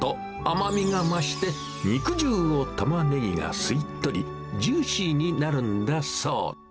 甘みが増して、肉汁をたまねぎが吸い取り、ジューシーになるんだそう。